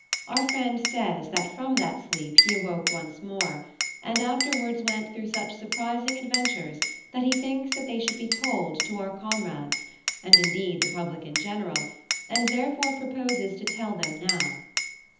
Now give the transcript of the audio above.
Our friend says that from that sleep he awoke once more, and afterwards went through such surprising adventures that he thinks that they should be told to our comrades, and indeed the public in general, and therefore proposes to tell them now.